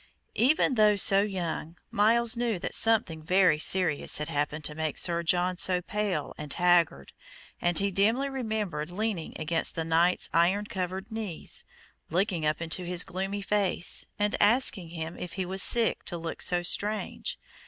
Even though so young, Myles knew that something very serious had happened to make Sir John so pale and haggard, and he dimly remembered leaning against the knight's iron covered knees, looking up into his gloomy face, and asking him if he was sick to look so strange.